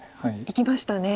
いきましたね。